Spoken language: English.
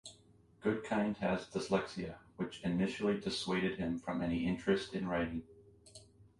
Goodkind has dyslexia, which initially dissuaded him from any interest in writing.